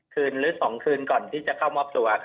คืนหรือ๒คืนก่อนที่จะเข้ามอบทุวร์